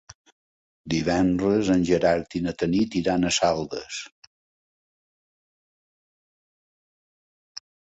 Divendres en Gerard i na Tanit iran a Saldes.